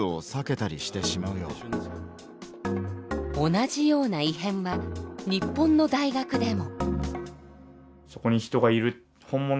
同じような異変は日本の大学でも。